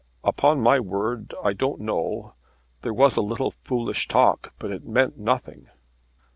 "Upon my word I don't know. There was a little foolish talk, but it meant nothing."